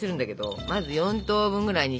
まず４等分ぐらいにして。